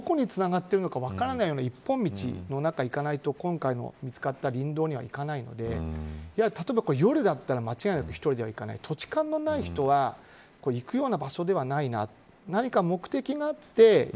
この道が、じゃあどこにつながっているのか分からないような一本道の中を行かないと今回見つかった林道には行かないので例えば、夜だったら間違いなく一人では行かない土地勘のない人が行くような場所ではないな。